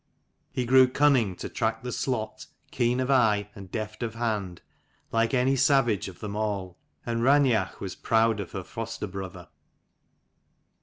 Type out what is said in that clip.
He grew cunning to track the slot, keen of eye and deft of hand, like any savage of them all : and Raineach was proud of her foster brother.